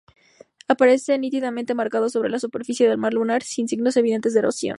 Aparece nítidamente marcado sobre la superficie del mar lunar, sin signos evidentes de erosión.